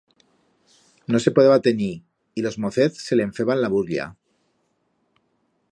No se podeba tenir, y los mocez se le'n feban la burlla.